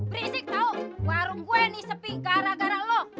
berisik tau warung gue nih sepi gara gara lo